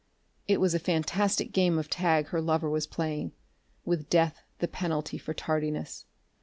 It was a fantastic game of tag her lover was playing, with death the penalty for tardiness.